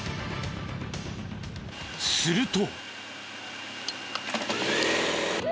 すると。